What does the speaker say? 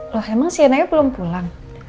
loh emang sienanya belum pulang